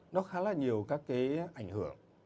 nó khá là nhiều các cái ảnh hưởng